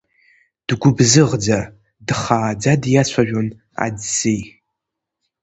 Дгәыбзыӷӡа, дхааӡа диацәажәон аӡӡеи.